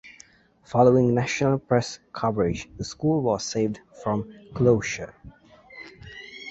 Following national press coverage the school was saved from closure.